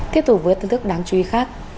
tiếp tục với thông thức đáng chú ý khác